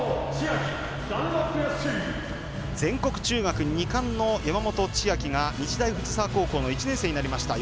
全国中学２冠の山本千晶が日大藤沢高校の１年生になりました。